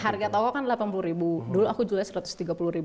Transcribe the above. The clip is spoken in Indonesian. harga toko kan rp delapan puluh dulu aku jualnya rp satu ratus tiga puluh